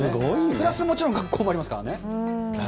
プラスもちろん学校もありますからね。